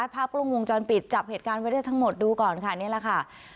ภาพกล้องวงจรปิดจับเหตุการณ์ไว้ได้ทั้งหมดดูก่อนค่ะนี่แหละค่ะ